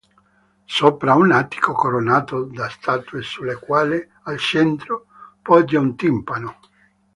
Sopra, un attico coronato da statue sulla quale, al centro, poggia un timpano.